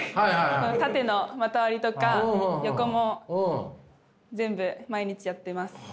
縦の股割りとか横も全部毎日やっています。